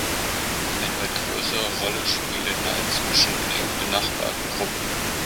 Eine weit größere Rolle spiele Neid zwischen „eng benachbarten Gruppen“.